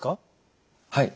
はい。